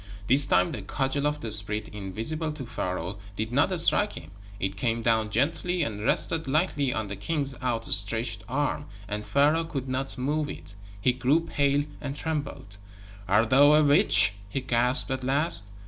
This time the cudgel of the spirit invisible to Pharaoh did not strike him: it came down gently and rested lightly on the king's out stretched arm. And Pharaoh could not move it. He grew pale and trembled. "Art thou a witch?" he gasped, at last.